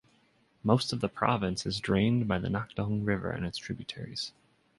Most of the province is drained by the Nakdong River and its tributaries.